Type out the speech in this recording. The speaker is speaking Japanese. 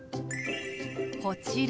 こちら。